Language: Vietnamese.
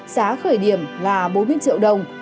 giá khởi điểm là bốn mươi triệu đồng